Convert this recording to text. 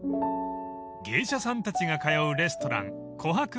［芸者さんたちが通うレストラン］